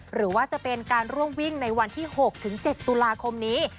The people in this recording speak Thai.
หรือว่าจะเป็นการร่วมวิ่งในวันที่๖๗ตุลาคมนี้